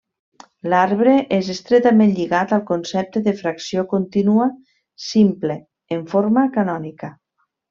L'arbre és estretament lligat al concepte de fracció contínua simple en forma canònica.